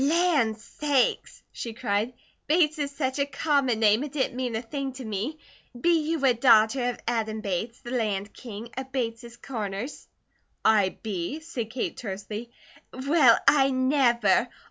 "Land sakes!" she cried. "Bates is such a common name it didn't mean a thing to me. Be you a daughter of Adam Bates, the Land King, of Bates Corners?" "I be," said Kate tersely. "Well, I never!